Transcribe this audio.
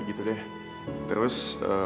jadi dia nangis